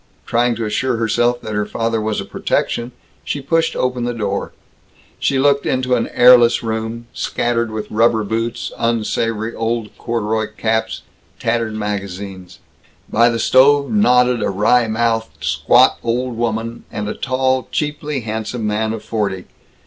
Trying to assure herself that her father was a protection, she pushed open the door. She looked into an airless room, scattered with rubber boots, unsavory old corduroy caps, tattered magazines. By the stove nodded a wry mouthed, squat old woman, and a tall, cheaply handsome man of forty.